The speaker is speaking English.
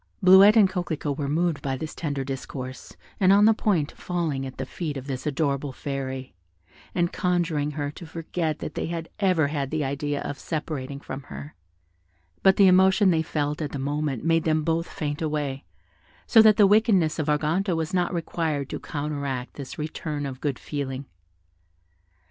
Bleuette and Coquelicot were moved by this tender discourse, and on the point of falling at the feet of this adorable fairy, and conjuring her to forget that they had ever had the idea of separating from her; but the emotion they felt at the moment made them both faint away, so that the wickedness of Arganto was not required to counteract this return of good feeling.